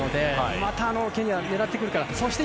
またケニアが狙ってくると。